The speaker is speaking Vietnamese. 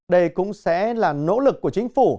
đây cũng sẽ là nỗ lực của chính phủ